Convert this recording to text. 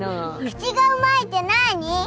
「口がうまい」ってなあに？